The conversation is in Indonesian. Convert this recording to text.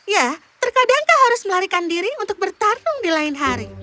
ya terkadang kau harus melarikan diri untuk bertarung di lain hari